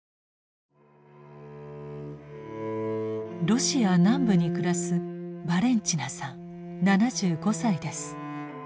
ロシア南部に暮らすバレンチナさん７５歳です。